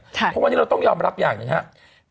เพราะวันนี้เราต้องยอมรับอย่างหนึ่งครับ